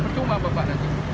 bercuma bapak nanti